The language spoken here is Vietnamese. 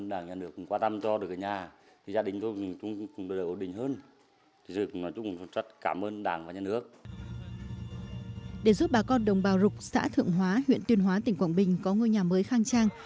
để giúp bà con đồng bào rục xã thượng hóa huyện tuyên hóa tỉnh quảng bình có ngôi nhà mới khang trang